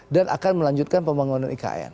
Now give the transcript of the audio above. dan akan melanjutkan pembangunan ikn